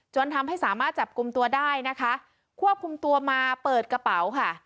ทำให้สามารถจับกลุ่มตัวได้นะคะควบคุมตัวมาเปิดกระเป๋าค่ะ